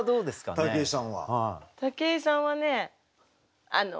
武井さんはねあの。